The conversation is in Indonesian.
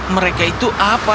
mereka itu apa